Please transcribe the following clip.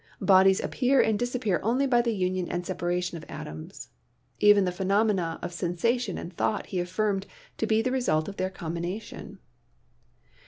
Bodies appear and disappear only by the union and separation of atoms. Even the phenomena of sensation and thought he affirmed to be the result of their combination.